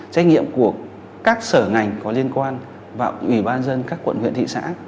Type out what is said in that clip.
trách nhiệm của các sở ngành có liên quan và ủy ban dân các quận huyện thị xã